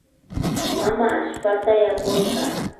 Mama allpata yapurka